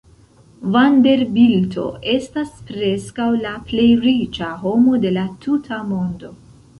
Vanderbilto estas preskaŭ la plej riĉa homo de la tuta mondo.